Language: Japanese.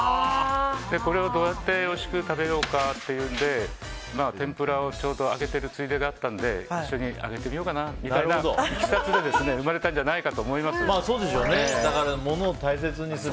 これをどうやっておいしく食べようかというので天ぷらをちょうど揚げているついでだったんで一緒に揚げてみようかなみたいないきさつでものを大切にする。